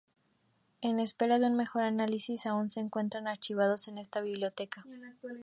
En espera de un mejor análisis aún se encuentran archivados en esta biblioteca.